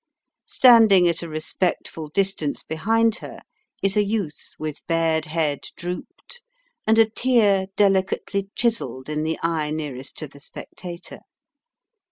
Standing at a respectful distance behind her is a youth with bared head drooped, and a tear delicately chiselled in the eye nearest to the spectator.